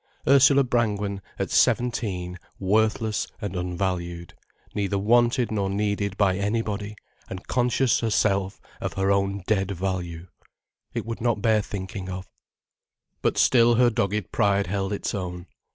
Ursula Brangwen, at seventeen, worthless and unvalued, neither wanted nor needed by anybody, and conscious herself of her own dead value. It would not bear thinking of. But still her dogged pride held its own.